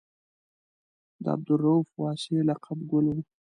د عبدالرؤف واسعي لقب ګل و.